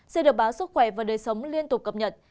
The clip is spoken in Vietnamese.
sẽ được báo sức khỏe và đời sống liên tục cập nhật